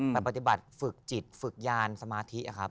ไปปฏิบัติฝึกจิตฝึกยานสมาธิครับ